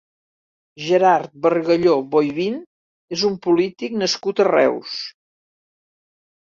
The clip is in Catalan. Gerard Bargalló Boivin és un polític nascut a Reus.